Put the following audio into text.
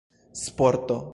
sporto